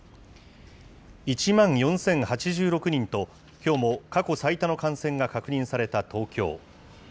１万４０８６人と、きょうも過去最多の感染が確認された東京。